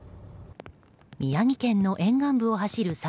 宮城県の沿岸部を走る